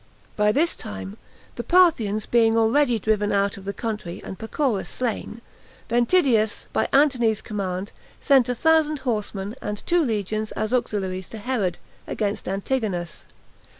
By this time [the Parthians being already driven out of the country, and Pacorus slain] Ventidius, by Antony's command, sent a thousand horsemen, and two legions, as auxiliaries to Herod, against Antigonus.